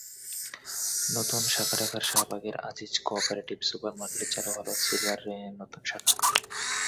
নতুন শাখাঢাকার শাহবাগের Aziz co-operative super মার্কেটে চালু হলো সিলভার রেইনের নতুন শাখা।